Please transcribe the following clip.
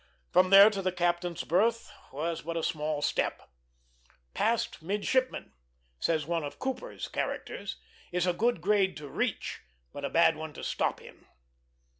From there to the captain's berth was but a small step. "Passed midshipman," says one of Cooper's characters, "is a good grade to reach, but a bad one to stop in."